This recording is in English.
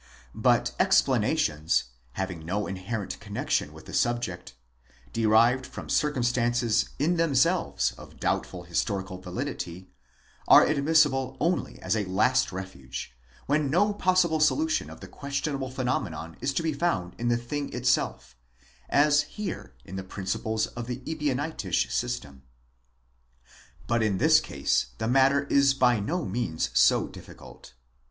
7 But explanations, having no inherent connexion with the subject, derived from circumstances in themselves of doubtful historical validity, are admissible only as a last refuge, when no possible solution of the questionable phenomenon is to be found in the thing itself, as here in the principles of the Ebionitish system. But in this case the matter is by no means so difficult.